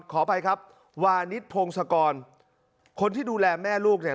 ขออภัยครับวานิสพงศกรคนที่ดูแลแม่ลูกเนี่ย